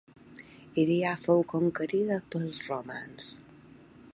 Hyria fou conquerida pels romans.